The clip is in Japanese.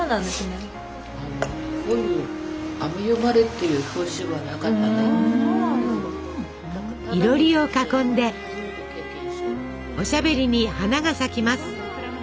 いろりを囲んでおしゃべりに花が咲きます。